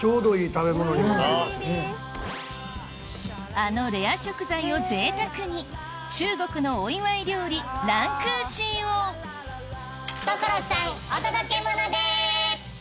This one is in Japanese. あのレア食材をぜいたくに中国のお祝い料理ランクーシーを所さんお届けモノです！